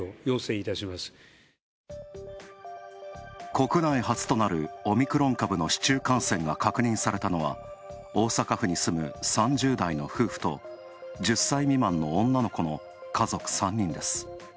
国内初となるオミクロン株の市中感染が確認されたのは大阪府に住む、３０代の夫婦と、１０歳未満の女の子の家族３人です。